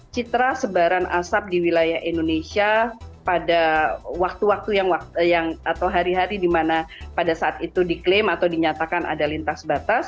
citra sebaran asap di wilayah indonesia pada waktu waktu atau hari hari di mana pada saat itu diklaim atau dinyatakan ada lintas batas